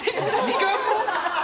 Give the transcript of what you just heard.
時間も？